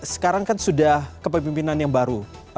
sekarang kan sudah kepemimpinan yang baru